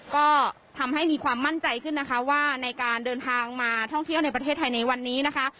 ก็ทำให้มีความมั่นใจขึ้นนะคะว่าในการเดินทางมาท่องเที่ยวในประเทศไทยในวันนี้นะคะ